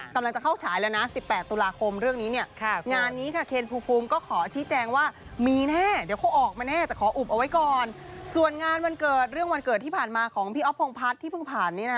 กำลังจะเข้าฉายแล้วนะ๑๘ตุลาคมเรื่องนี้เนี่ย